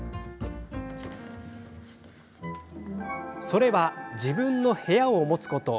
それは自分の部屋を持つこと。